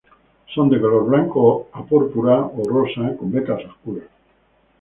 Son de color blanco a púrpura o rosa con vetas oscuras.